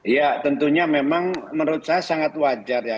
ya tentunya memang menurut saya sangat wajar ya